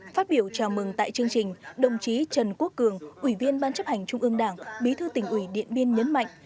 phát biểu chào mừng tại chương trình đồng chí trần quốc cường ủy viên ban chấp hành trung ương đảng bí thư tỉnh ủy điện biên nhấn mạnh